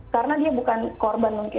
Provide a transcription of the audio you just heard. karena dia bukan korban mungkin